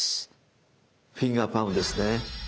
フィンガー・パームですね。